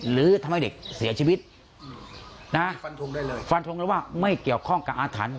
หรือทำให้เด็กเสียชีวิตนะฟันทงได้เลยฟันทงเลยว่าไม่เกี่ยวข้องกับอาถรรพ์